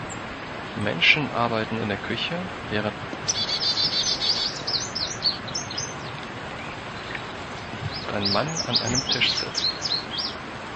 Menschen arbeiten in der Küche, während ein Mann an einem Tisch sitzt.